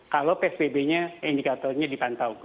kalau psbb nya indikatornya dipantau